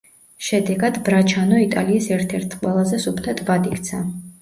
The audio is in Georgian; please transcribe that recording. შედეგად, ბრაჩანო იტალიის ერთ-ერთ ყველაზე სუფთა ტბად იქცა.